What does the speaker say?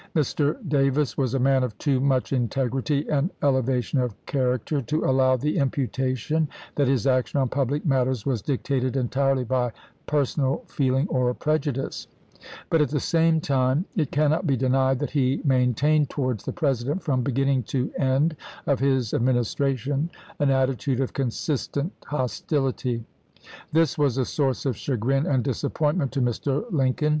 Mr. V m. ' Davis was a man of too much integrity and eleva tion of character to allow the imputation that his action on public matters was dictated entirely by personal feeling or prejudice ; but at the same time it cannot be denied that he maintained towards the President, from beginning to end of his administra tion, an attitude of consistent hostility. This was a source of chagrin and disappointment to Mr. Lincoln.